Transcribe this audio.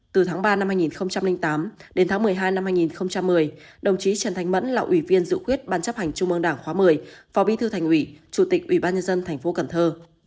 từ tháng ba năm hai nghìn tám đến tháng một mươi hai năm hai nghìn một mươi đồng chí trần thanh mẫn là ủy viên dự khuyết ban chấp hành trung ương đảng khóa một mươi phó bí thư thành ủy chủ tịch ủy ban nhân dân thành phố cần thơ